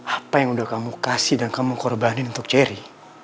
apa yang udah kamu kasih dan kamu korbanin untuk jerry